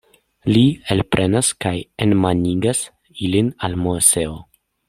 Li elprenas kaj enmanigas ilin al Moseo.